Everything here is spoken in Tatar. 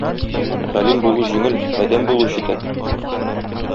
Галим булу җиңел, адәм булу читен.